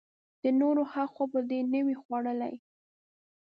د نورو حق خو به دې نه وي خوړلئ!